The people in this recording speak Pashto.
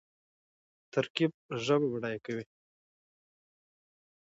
ترکیب ژبه بډایه کوي.